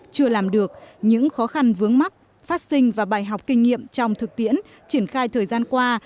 chưa làm được những khó khăn vướng mắc phát sinh và bài học kinh nghiệm trong thực tiễn triển khai thời gian qua